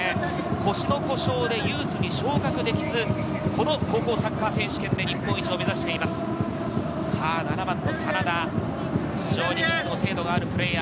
腰の故障でユースに昇格できず、高校サッカー選手権で日本一を目指しています、７番の真田、非常にキックの精度があるプレーヤー。